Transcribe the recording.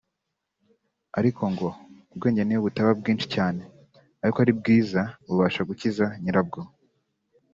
kandi ngo ubwenge niyo butaba bwinshi cyane ariko ari bwiza bubasha gukiza nyirabwo